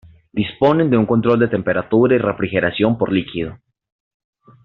Disponen de un control de temperatura y refrigeración por líquido.